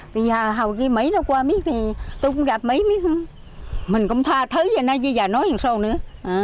bây giờ hầu khi mỹ nó qua tôi cũng gặp mỹ mình cũng tha thứ với nó với nhà nó làm xô nữa